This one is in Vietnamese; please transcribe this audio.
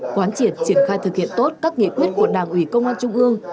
quán triệt triển khai thực hiện tốt các nghị quyết của đảng ủy công an trung ương